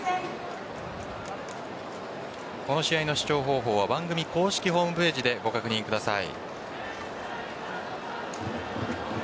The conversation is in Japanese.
この試合の視聴方法は番組公式ホームページでご確認ください。